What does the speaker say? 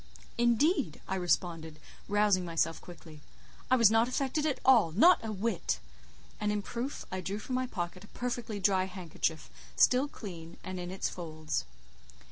"Indeed!" I responded, rousing myself quickly, "I was not affected at all—not a whit." And in proof, I drew from my pocket a perfectly dry handkerchief, still clean and in its folds.